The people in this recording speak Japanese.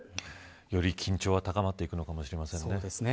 より緊張が高まってくるかもしれませんね。